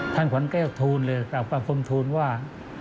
ขวัญแก้วทูลเลยกับประคมทูลว่า